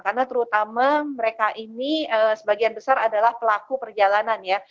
dan terutama mereka ini sebagian besar adalah pelaku perjalanan ya